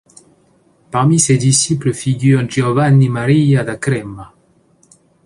Parmi ses disciples figure Giovanni Maria da Crema.